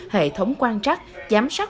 hệ thống quan trắc giám sát